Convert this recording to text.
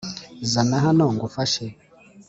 zana hano ngufashe